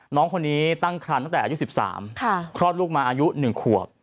น้องคนนี้ตั้งคันตั้งแต่อายุ๑๓คลอดลูกมาอายุ๑ขวบ